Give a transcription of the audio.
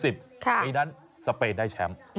ปีนั้นสเปนได้แชมป์